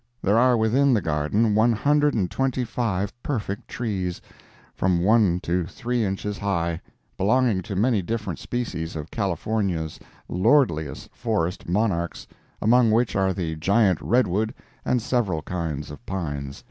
There are within the garden one hundred and twenty five perfect trees, from one to three inches high, belonging to many different species of California's lordliest forest monarchs, among which are the giant redwood and several kinds of pines.